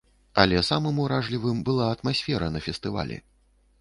Але самым уражлівым была атмасфера на фестывалі.